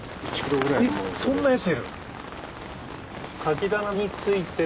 えっそんなやついる？